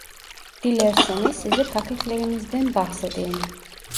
Dilerseniz size paketlerimizden bahsedeyim